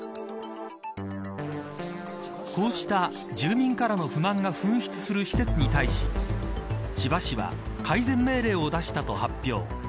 こうした住民からの不満が噴出する施設に対し千葉市は改善命令を出したと発表。